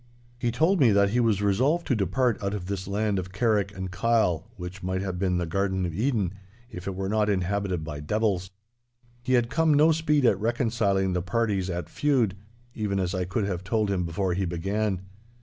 He told me that he was resolved to depart out of this land of Carrick and Kyle, which might have been the Garden of Eden if it were not inhabited by devils. He had come no speed at reconciling the parties at feud, even as I could have told him before he began.